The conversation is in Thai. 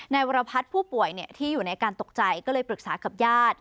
วรพัฒน์ผู้ป่วยที่อยู่ในการตกใจก็เลยปรึกษากับญาติ